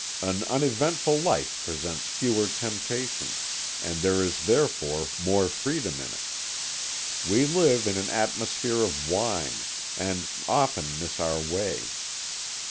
An uneventful life presents fewer temptations, and there is therefore more freedom in it. We live in an atmosphere of wine, and often miss our way.